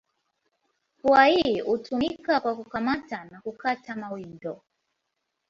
Pua hii hutumika kwa kukamata na kukata mawindo.